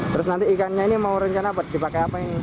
terus nanti ikannya ini mau rencana apa dipakai apa ini